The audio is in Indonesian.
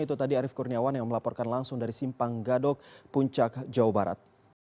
itu tadi arief kurniawan yang melaporkan langsung dari simpang gadok puncak jawa barat